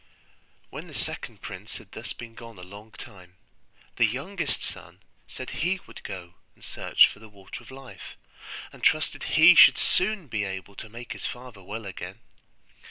When the second prince had thus been gone a long time, the youngest son said he would go and search for the Water of Life, and trusted he should soon be able to make his father well again.